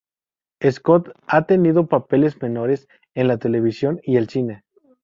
Scott ha tenido papeles menores en la televisión y el cine.